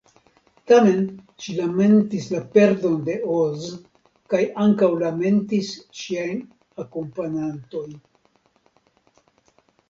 Tamen ŝi lamentis la perdon de Oz, kaj ankaŭ lamentis ŝiaj akompanantoj.